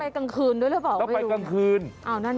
ไปกลางคืนด้วยหรือเปล่า